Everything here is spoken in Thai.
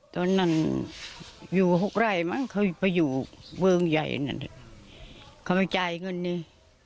ตอนนั้นอยู่๖ไร่มั้งเขาไปอยู่เมืองใหญ่นั่นเขาไม่จ่ายเงินนี่